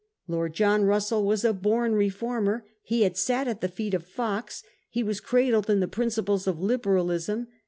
Lord John Russell was a bom reformer. He had sat at the feet of Fox. He was cradled in the principles of Liberalism.